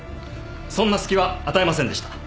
そんな隙は与えませんでした。